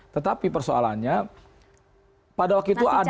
tetapi persoalannya pada waktu itu ada